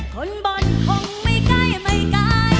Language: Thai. คนบนคงไม่ใกล้ไม่ไกล